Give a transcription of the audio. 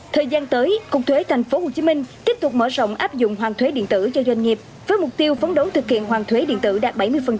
thời gian tới cục thuế thành phố hồ chí minh tiếp tục mở rộng áp dụng hoàn thuế điện tử cho doanh nghiệp với mục tiêu phấn đấu thực hiện hoàn thuế điện tử đạt bảy mươi